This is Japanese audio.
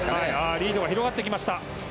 リードが広がってきました。